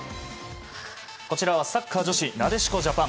こちらはサッカー女子なでしこジャパン。